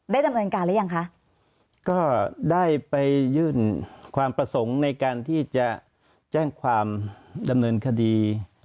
ดำเนินการหรือยังคะก็ได้ไปยื่นความประสงค์ในการที่จะแจ้งความดำเนินคดี